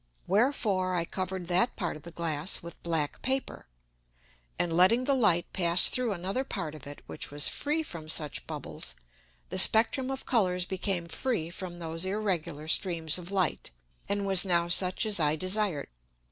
Wherefore I covered that Part of the Glass with black Paper, and letting the Light pass through another Part of it which was free from such Bubbles, the Spectrum of Colours became free from those irregular Streams of Light, and was now such as I desired.